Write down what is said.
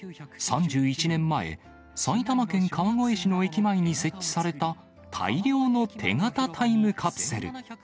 ３１年前、埼玉県川越市の駅前に設置された大量の手形タイムカプセル。